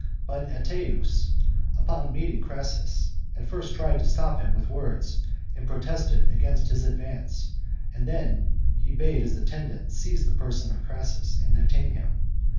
But Ateius, on meeting Crassus, at first tried to stop him with words, and protested against his advance; then he bade his attendant seize the person of Crassus and detain him.